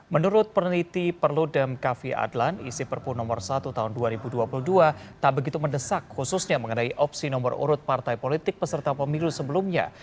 menurut peneliti perludem kavi adlan isi perpu nomor satu tahun dua ribu dua puluh dua tak begitu mendesak khususnya mengenai opsi nomor urut partai politik peserta pemilu sebelumnya